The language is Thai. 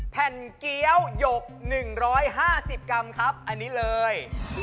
แผ่นเกี้ยวหยก๑๕๐กรัมครับอันนี้เลย